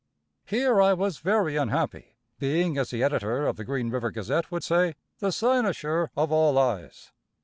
Here I was very unhappy, being, as the editor of the Green River Gazette would say, "the cynosure of all eyes."